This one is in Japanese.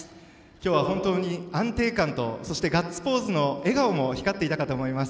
今日は本当に安定感とガッツポーズの笑顔も光っていたかと思います。